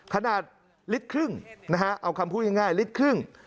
ขนาดลิตรครึ่งนะฮะเอาคำพูดง่ายลิตรครึ่ง